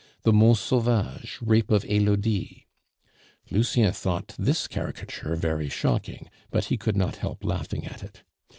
The Mont Sauvage, Rape of Elodie." (Lucien though this caricature very shocking, but he could not help laughing at it.)